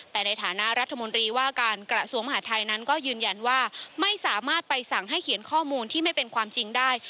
แต่ในฐานะรัฐมนตรีว่าการกระทรวงมหาทัยนั้นก็ยืนยันว่าไม่สามารถไปสั่งให้เขียนข้อมูลที่ไม่เป็นความจริงได้